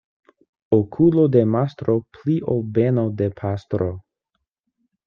Okulo de mastro pli ol beno de pastro.